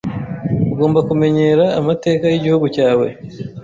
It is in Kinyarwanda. Ugomba kumenyera amateka yigihugu cyawe.